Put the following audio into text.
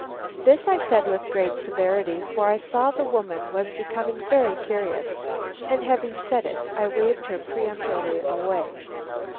_" This I said with great severity, for I saw the woman was becoming very curious, and having said it, I waved her peremptorily away.